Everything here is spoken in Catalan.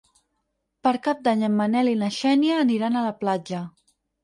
Per Cap d'Any en Manel i na Xènia aniran a la platja.